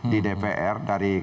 di dpr dari